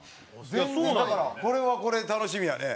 全然だからこれはこれで楽しみやね。